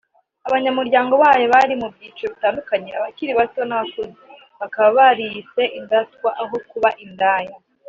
Abanyamuryango bayo bari mu byiciro bitandukanye(abakiri bato n’abakuze) bakaba bariyise indatwa aho kuba indaya